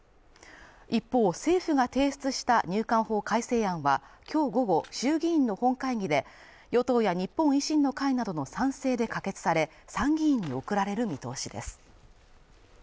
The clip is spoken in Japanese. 一方政府が提出した入管法改正案は、今日午後、衆議院の本会議で与党や日本維新の会などの賛成で可決され、参議院に送られる見通しです。